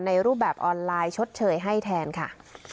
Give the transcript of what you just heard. รูปแบบออนไลน์ชดเชยให้แทนค่ะ